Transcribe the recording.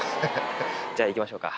じゃあ、行きましょうか。